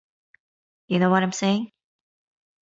You know what I'm saying?